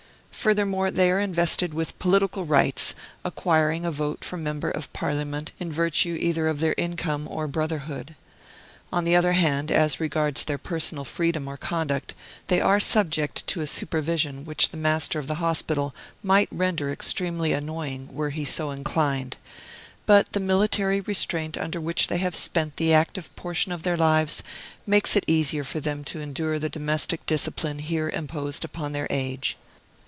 Furthermore, they are invested with political rights, acquiring a vote for member of Parliament in virtue either of their income or brotherhood. On the other hand, as regards their personal freedom or conduct, they are subject to a supervision which the Master of the hospital might render extremely annoying, were he so inclined; but the military restraint under which they have spent the active portion of their lives makes it easier for them to endure the domestic discipline here imposed upon their age.